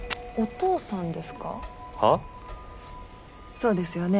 そうですよね？